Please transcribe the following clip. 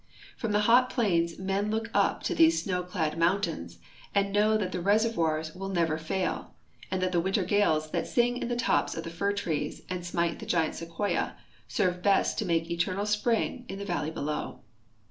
From the hot plains men look u]) to these snow clad mountains and know that the reservoirs will never fail, and that the winter gales that sing in the toj)S of the hr trees and smite the giant sequoia serve best to make eternal spring in the valley helow.